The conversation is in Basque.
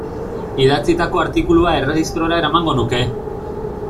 Idatzitako artikulua erregistrora eramango nuke.